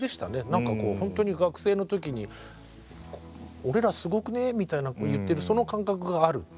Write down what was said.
何かこうほんとに学生の時に「俺らすごくね？」みたいな言ってるその感覚があるって。